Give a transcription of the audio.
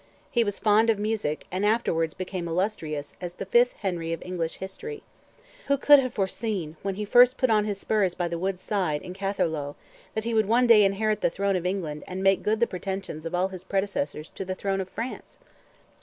He was fond of music, and afterwards became illustrious as the Fifth Henry of English history. Who could have foreseen, when first he put on his spurs by the wood's side, in Catherlough, that he would one day inherit the throne of England and make good the pretensions of all his predecessors to the throne of France?